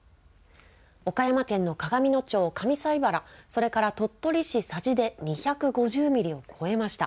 岡山県の鏡野町上齋原、それから鳥取市佐治で２５０ミリを超えました。